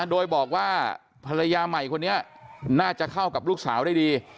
โดยบอกว่าภรรยาใหม่คนนี้น่าจะเข้ากับลูกสาวได้ดี